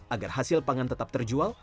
agar hasil pangan tetap terjual